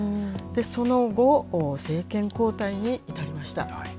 その後、政権交代に至りました。